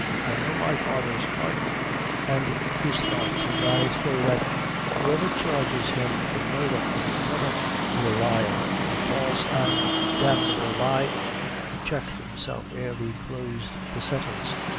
I know my father's heart an' his thought an' I say that whoever charges him with the murder of your brother, is a liar a false and damnable li " He checked himself ere he closed the sentence.